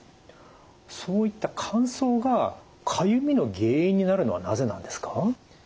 そういった乾燥がかゆみの原因になるのはなぜなんですか？